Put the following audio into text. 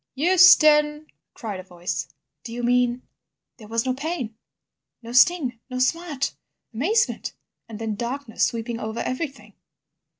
"Euston!" cried a voice. "Do you mean—?" "There was no pain, no sting or smart. Amazement and then darkness sweeping over everything.